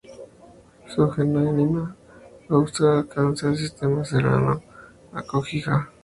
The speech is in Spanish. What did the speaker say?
Su geonemia austral alcanza el sistema serrano del Aconquija.